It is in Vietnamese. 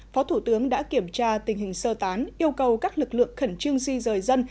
phó thủ tướng đã kiểm tra tình hình sơ tán yêu cầu các lực lượng khẩn trương di rời dân